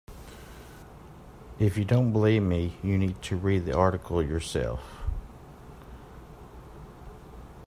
If you don't believe me, you need to read the article yourself